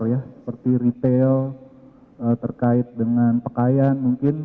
seperti ritel terkait dengan pekayan mungkin